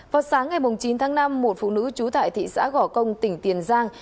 vào sáng ngày chín tháng năm một phụ nữ trú tại thị xã gò công tỉnh tiền giang